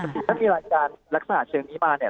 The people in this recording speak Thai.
ที่ปกติถ้ามีรายการรักษาเชิงนี้มาเนี่ย